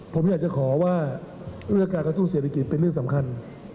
ผมอยากจะขอว่าเรื่องการกระตุ้นเศรษฐกิจเป็นเรื่องสำคัญ